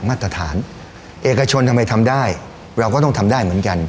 มาตรฐานเอกชนทำไมทำได้เราก็ต้องทำได้เหมือนกัน